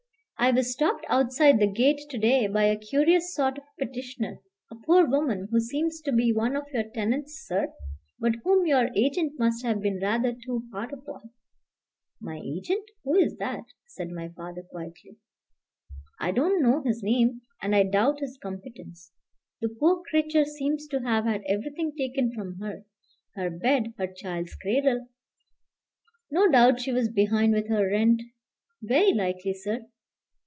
"I was stopped outside the gate to day by a curious sort of petitioner, a poor woman, who seems to be one of your tenants, sir, but whom your agent must have been rather too hard upon." "My agent? Who is that?" said my father quietly. "I don't know his name, and I doubt his competence. The poor creature seems to have had everything taken from her, her bed, her child's cradle." "No doubt she was behind with her rent." "Very likely, sir.